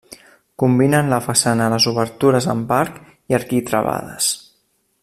Combina en la façana les obertures amb arc i arquitravades.